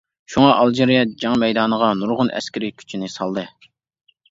شۇڭا، ئالجىرىيە جەڭ مەيدانىغا نۇرغۇن ئەسكىرى كۈچىنى سالدى.